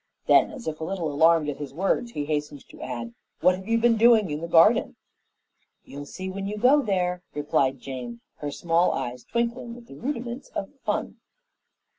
Then, as if a little alarmed at his words, he hastened to ask, "What have you been doing in the garden?" "You'll see when you go there," replied Jane, her small eyes twinkling with the rudiments of fun.